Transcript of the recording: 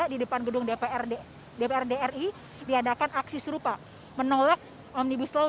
di depan gedung dprd ri diadakan aksi serupa menolak omnibus law